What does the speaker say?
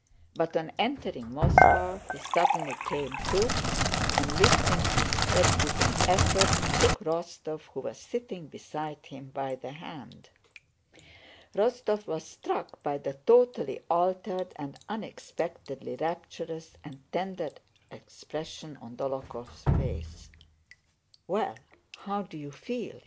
But on entering Moscow he suddenly came to and, lifting his head with an effort, took Rostóv, who was sitting beside him, by the hand. Rostóv was struck by the totally altered and unexpectedly rapturous and tender expression on Dólokhov's face. "Well? How do you feel?"